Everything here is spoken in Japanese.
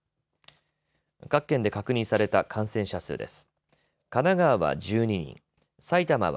各県で確認された感染者数です。